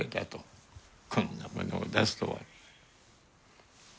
こんなものを出すとは。